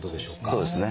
そうですね。